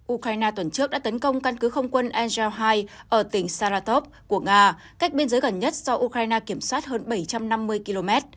ukraine tuần trước đã tấn công căn cứ không quân angel hai ở tỉnh saratov của nga cách biên giới gần nhất do ukraine kiểm soát hơn bảy trăm năm mươi km